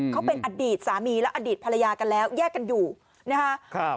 เขาเป็นอดีตสามีและอดีตภรรยากันแล้วแยกกันอยู่นะครับ